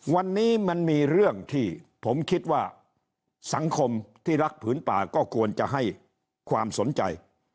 วันนี้มันมีเรื่องที่ผมคิดว่าสังคมที่รักผืนป่าก็ควรจะให้ความสนใจ